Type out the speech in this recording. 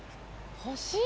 星？